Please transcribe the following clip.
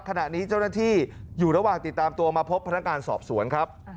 ขณะนี้เจ้าหน้าที่อยู่ระหว่างติดตามตัวมาพบพนักงานสอบสวนครับ